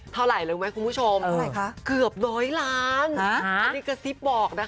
เท่าไหร่รู้ไหมคุณผู้ชมเกือบ๑๐๐ล้านนะคะอันนี้ก็ซิบบอกนะคะ